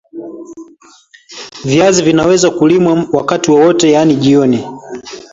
Viazi vinaweza kuliwa wakati wowote yaani jioni